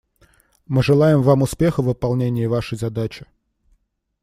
Мы желаем вам успеха в выполнении вашей задачи.